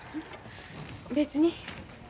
別に。